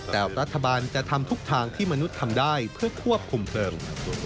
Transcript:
แต่รัฐบาลจะทำทุกทางที่มนุษย์ทำได้เพื่อควบคุมเพลิง